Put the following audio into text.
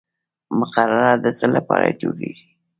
مقرره د څه لپاره جوړیږي؟